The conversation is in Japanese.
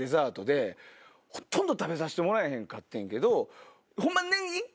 ほとんど食べさせてもらえへんかってんけどホンマ。